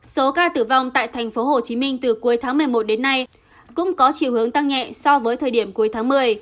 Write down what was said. số ca tử vong tại tp hcm từ cuối tháng một mươi một đến nay cũng có chiều hướng tăng nhẹ so với thời điểm cuối tháng một mươi